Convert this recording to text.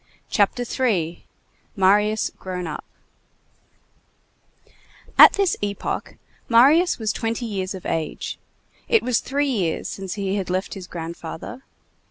CHAPTER III—MARIUS GROWN UP At this epoch, Marius was twenty years of age. It was three years since he had left his grandfather.